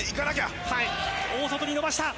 大外に伸ばした。